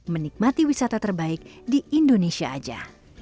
menikmati wisata terbaik di indonesia aja